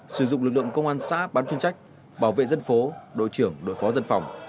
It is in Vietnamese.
sử dụng lực lượng công an xã bán chuyên trách bảo vệ dân phố đội trưởng đội phó dân phòng